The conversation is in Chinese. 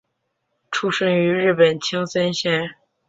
出身于日本青森县。